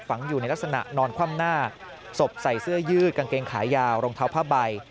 อยู่ในลักษณะนอนคว่ำหน้าศพใส่เสื้อยืดกางเกงขายาวรองเท้าผ้าใบ